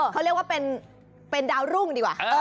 เขาเรียกว่าเป็นดาวรุ่งดีกว่า